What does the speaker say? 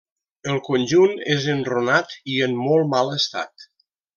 El conjunt és enrunat i en molt mal estat.